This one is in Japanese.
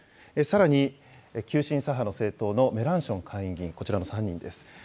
さらに急進左派の政党のメランション下院議員、こちらの３人です。